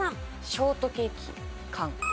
ショートケーキ缶。